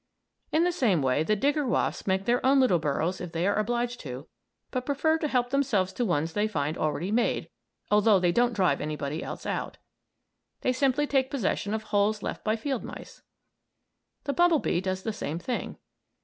In the same way the digger wasps make their own little burrows if they are obliged to, but prefer to help themselves to ones they find already made, although they don't drive anybody else out. They simply take possession of holes left by field mice. The bumblebee does the same thing.